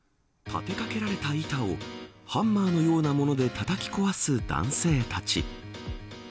立てかけられた板をハンマーのようなものでたたき壊す男性たち。